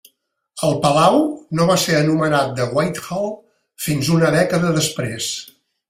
El palau no va ser anomenant de Whitehall fins una dècada després.